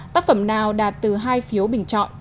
tác phẩm nào đạt từ hai phiếu bình chọn